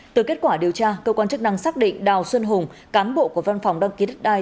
từ kết quả điều tra cơ quan chức năng xác định đào xuân hùng cán bộ của văn phòng đăng ký đất đai